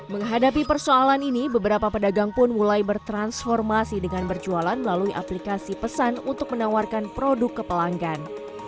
menghadapi persoalan ini beberapa pedagang pun mulai bertransformasi dengan berjualan melalui aplikasi pesan untuk menawarkan produk ke pelanggan